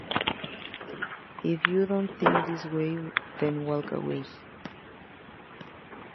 If you don't think this way then walk away.